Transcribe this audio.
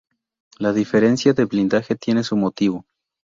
La diferencia de blindaje tiene su motivo.